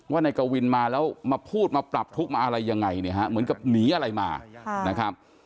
นายกวินมาแล้วมาพูดมาปรับทุกข์มาอะไรยังไงเนี่ยฮะเหมือนกับหนีอะไรมานะครับ